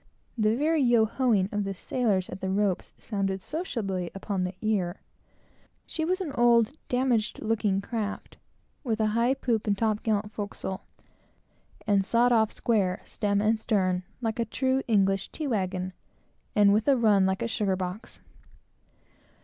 The very yo ho ing of the sailors at the ropes sounded sociably upon the ear. She was an old, damaged looking craft, with a high poop and top gallant forecastle, and sawed off square, stem and stern, like a true English "tea wagon," and with a run like a sugar box.